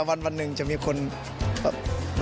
วันหนึ่งจะมีคนแบบ